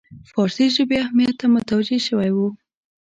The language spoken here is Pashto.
فارسي ژبې اهمیت ته متوجه شوی وو.